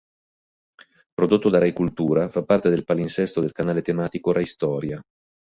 Prodotto da Rai Cultura, fa parte del palinsesto del canale tematico Rai Storia.